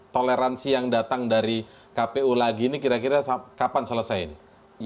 toleransi yang datang dari kpu lagi ini kira kira kapan selesai ini